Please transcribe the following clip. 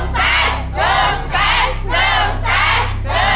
ผิดเหรอคะ